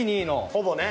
ほぼね。